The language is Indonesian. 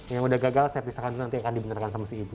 yang udah gagal saya pisahkan dulu nanti akan dibenarkan sama si ibu